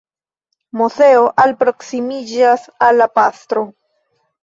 Moseo alproksimiĝas al la pastro.